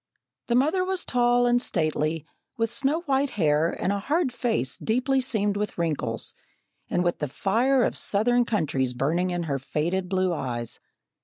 The mother was tall and stately, with snow white hair and a hard face deeply seamed with wrinkles, and with the fire of southern countries burning in her faded blue eyes.